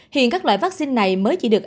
hiện các loại vaccine này mới chỉ được